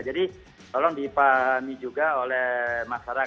jadi tolong dipahami juga oleh masyarakat